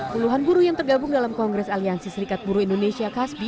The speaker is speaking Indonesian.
puluhan buruh yang tergabung dalam kongres aliansi serikat buruh indonesia kasbi